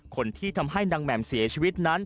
คนที่ทำให้นางแหม่มเสียชีวิตนั้น